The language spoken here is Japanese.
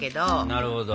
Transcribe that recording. なるほど。